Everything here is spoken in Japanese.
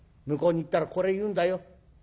向こうに行ったらこれ言うんだよ。